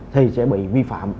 thì sẽ bị vi phạm